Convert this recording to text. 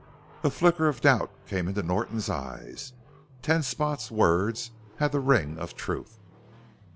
A flicker of doubt came into Norton's eyes Ten Spot's words had the ring of truth.